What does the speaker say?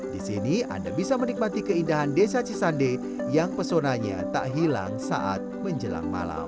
di sini anda bisa menikmati keindahan desa cisande yang pesonanya tak hilang saat menjelang malam